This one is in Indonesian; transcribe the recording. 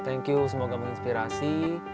thank you semoga menginspirasi